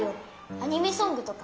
アニメソングとか。